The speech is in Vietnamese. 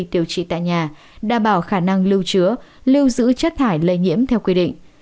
điều trị tại nhà đảm bảo khả năng lưu chứa lưu giữ chất thải lây nhiễm theo quy định